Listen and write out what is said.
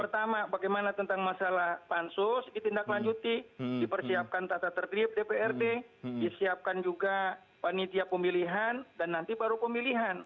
pertama bagaimana tentang masalah pansus ditindaklanjuti dipersiapkan tata tertib dprd disiapkan juga panitia pemilihan dan nanti baru pemilihan